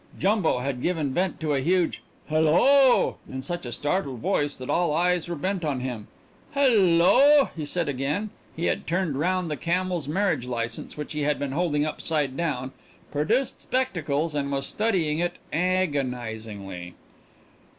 Jumbo had given vent to a huge "Hello!" in such a startled voice that all eyes were bent on him. "Hello!" he said again. He had turned round the camel's marriage license, which he had been holding upside down, produced spectacles, and was studying it agonizingly.